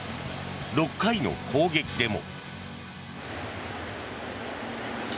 ６回の攻撃でも。